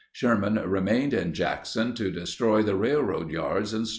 Sherman remained in Jackson to destroy the railroad yards and stores.